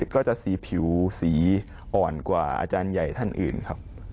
ก็จะสีผิวสีอ่อนกว่าอาจารย์ใหญ่ท่านอื่นครับ